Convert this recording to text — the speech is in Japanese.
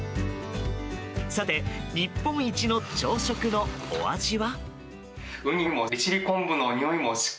さて、日本一の朝食のお味は？